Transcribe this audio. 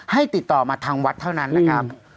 ติดต่อมาทางวัดเท่านั้นนะครับ